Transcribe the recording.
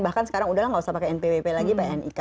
bahkan sekarang sudah tidak usah pakai npwp lagi pakai nik